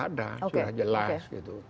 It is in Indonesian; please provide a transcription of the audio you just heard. ada sudah jelas oke oke